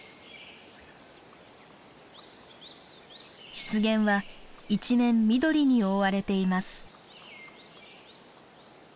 湿原は一面緑に覆われています。